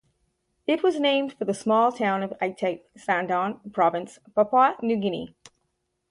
It was named for the small town of Aitape, Sandaun Province, Papua New Guinea.